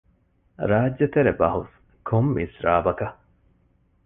ރާއްޖެތެރެ ބަހުސް ކޮން މިސްރާބަކަށް؟